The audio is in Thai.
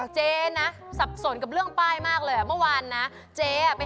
จับเรื่องอะไร